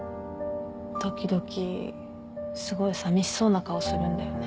時々すごいさみしそうな顔するんだよね。